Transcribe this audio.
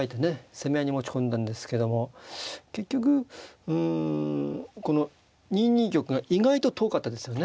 攻め合いに持ち込んだんですけども結局うんこの２二玉が意外と遠かったですよね。